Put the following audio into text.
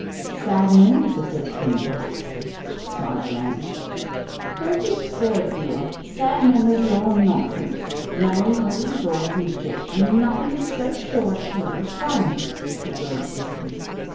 "Sad memories afflict him, perhaps," sighed Blanche. "Don't be absurd, dear, sad memories are all nonsense; melancholy is always indigestion, and nothing is so sure a cure as fun," said Rose briskly.